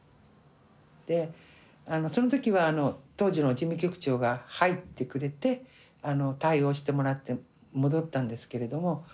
でその時は当時の事務局長が入ってくれて対応してもらって戻ったんですけれども。